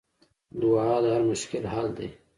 دعا د هر مشکل حل دی.